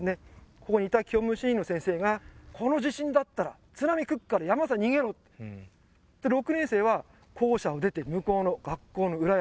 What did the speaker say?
ここにいた教務主任の先生が「この地震だったら津波来っから山さ逃げろ」６年生は校舎を出て向こうの学校の裏山